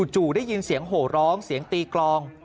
จู่ได้ยินเสียงโหร้องเสียงตีกลอง